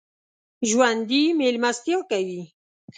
ژوندي مېلمستیا کوي